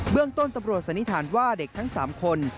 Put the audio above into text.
เรื่องต้นตำรวจสันนิษฐานว่าเด็กทั้ง๓คน